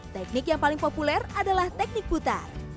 teknik yang paling populer adalah teknik putar